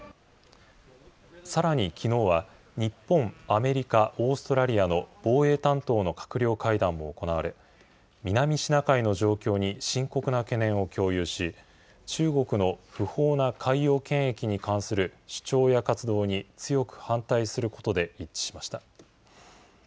さらにきのうは、日本、アメリカ、オーストラリアの防衛担当の閣僚会談も行われ、南シナ海の状況に深刻な懸念を共有し、中国の不法な海洋権益に関する主張や活動に強く反対することで一致しました。